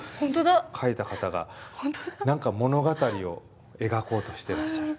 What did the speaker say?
描いた方が何か物語を描こうとしてらっしゃる。